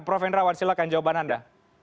prof henrawan silakan jawaban anda